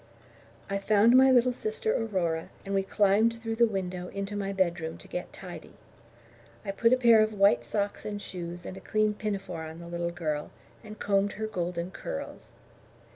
I found my little sister Aurora, and we climbed through the window into my bedroom to get tidy. I put a pair of white socks and shoes and a clean pinafore on the little girl, and combed her golden curls.